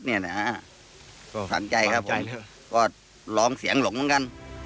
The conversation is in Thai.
เนี่ยนะฮะก็สั่นใจครับผมก็ร้องเสียงหลงเหมือนกัน